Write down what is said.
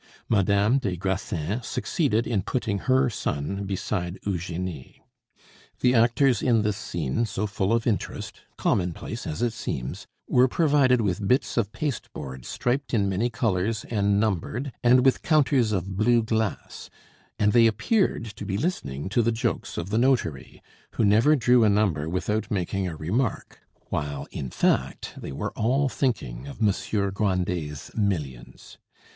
Madame des Grassins succeeded in putting her son beside Eugenie. The actors in this scene, so full of interest, commonplace as it seems, were provided with bits of pasteboard striped in many colors and numbered, and with counters of blue glass, and they appeared to be listening to the jokes of the notary, who never drew a number without making a remark, while in fact they were all thinking of Monsieur Grandet's millions.